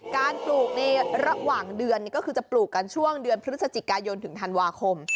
ปลูกในระหว่างเดือนก็คือจะปลูกกันช่วงเดือนพฤศจิกายนถึงธันวาคม